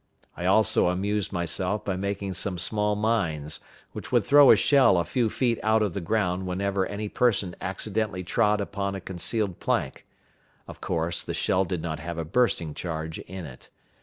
I also amused myself by making some small mines, which would throw a shell a few feet out of the ground whenever any person accidentally trod upon a concealed plank: of course the shell did not have a bursting charge in it.